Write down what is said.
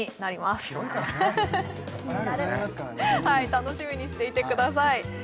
楽しみにしていてください